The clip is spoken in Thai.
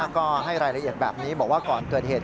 ก็ให้รายละเอียดแบบนี้บอกว่าก่อนเกิดเหตุ